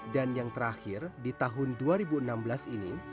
dan yang terakhir di tahun dua ribu enam belas ini